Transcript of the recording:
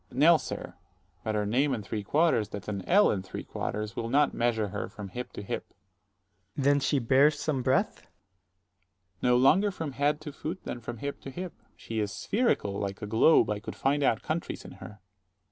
Dro. S. Nell, sir; but her name and three quarters, that's an ell and three quarters, will not measure her from hip to hip. 110 Ant. S. Then she bears some breadth? Dro. S. No longer from head to foot than from hip to hip: she is spherical, like a globe; I could find out countries in her.